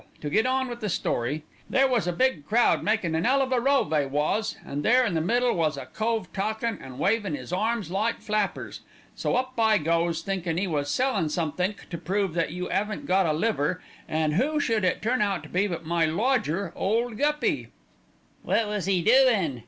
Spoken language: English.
to get on with the story. "There was a big crowd, makin' an 'ell of a row, they was, an' there in the middle was a cove talkin' an' wavin' 'is arms like flappers. So up I goes, thinkin' 'e was sellin' somethink to prove that you 'aven't got a liver, an' who should it turn out to be but my lodger, Ole Guppy." "Wot was 'e doin'?"